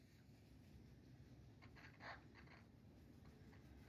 Whenever there was a change of board members, a commemorative painting would be made.